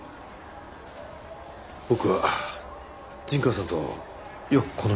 僕は陣川さんとよくこの店に来てて。